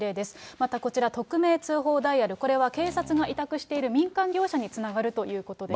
またこちら匿名通報ダイヤル、これは警察が委託している民間業者につながるということです。